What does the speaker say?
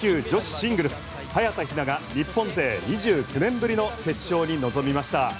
シングルス早田ひなが日本勢２９年ぶりの決勝に臨みました。